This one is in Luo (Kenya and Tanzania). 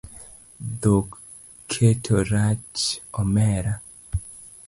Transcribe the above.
Dhok teko rach omera